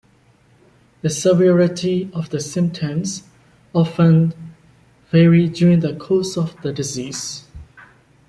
The severity of the symptoms often vary during the course of the disease.